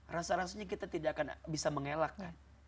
rasa rasanya kita tidak akan bisa mengelakkan